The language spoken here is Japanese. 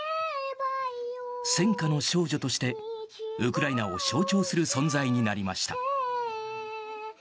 戦火の少女として、ウクライナを象徴する存在になりました。